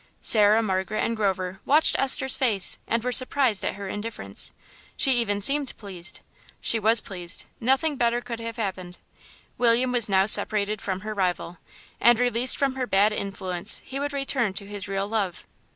Sarah, Margaret, and Grover watched Esther's face and were surprised at her indifference. She even seemed pleased. She was pleased; nothing better could have happened. William was now separated from her rival, and released from her bad influence he would return to his real love.